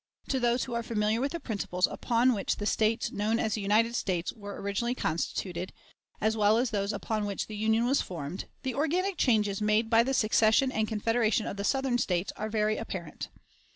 To those who are familiar with the principles upon which the States known as the United States were originally constituted, as well as those upon which the Union was formed, the organic changes made by the secession and confederation of the Southern States are very apparent.